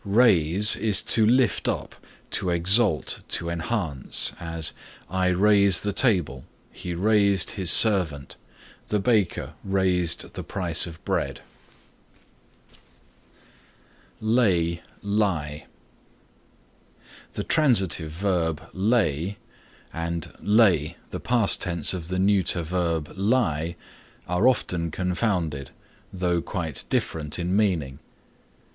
Raise is to lift up, to exalt, to enhance, as "I raise the table;" "He raised his servant;" "The baker raised the price of bread." LAY LIE The transitive verb lay, and lay, the past tense of the neuter verb lie, are often confounded, though quite different in meaning.